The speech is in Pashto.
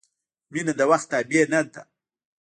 • مینه د وخت تابع نه ده.